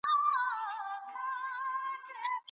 ولي محنتي ځوان د با استعداده کس په پرتله لوړ مقام نیسي؟